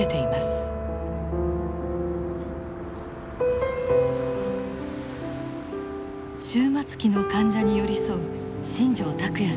終末期の患者に寄り添う新城拓也さんです。